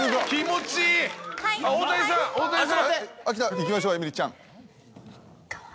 いきましょう映美里ちゃん。